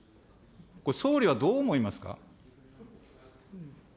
総理はどう思いますか。